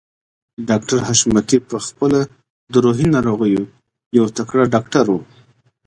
ډاکټر حشمتي په خپله د روحي ناروغيو يو تکړه ډاکټر و.